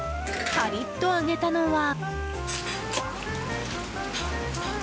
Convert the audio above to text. カリっと揚げたのは。